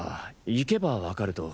行けばわかると。